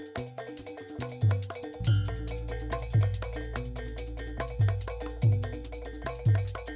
puncak peringatan hari pers nasional dua ribu dua puluh satu kali ini mengambil tema